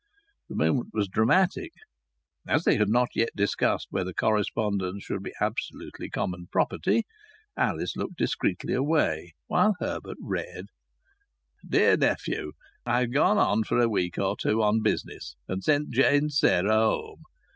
The moment was dramatic. As they had not yet discussed whether correspondence should be absolutely common property, Alice looked discreetly away while Herbert read: "Dear nephew, I've gone on for a week or two on business, and sent Jane Sarah home.